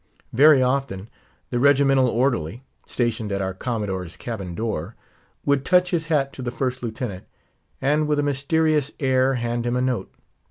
Very often, the regimental orderly, stationed at our Commodore's cabin door, would touch his hat to the First Lieutenant, and with a mysterious air hand him a note.